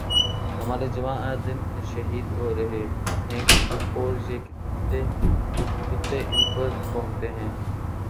ہمارے جوان اے دن شہید ہو رہے ہیں اور یہ کتے ان پر بھونکتے ہیں